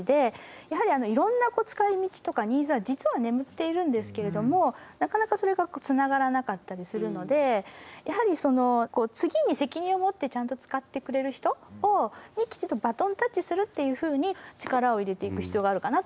やはりいろんな使いみちとかニーズは実は眠っているんですけれどもなかなかそれがつながらなかったりするのでやはりその次に責任を持ってちゃんと使ってくれる人にきちんとバトンタッチするっていうふうに力を入れていく必要があるかなと思います。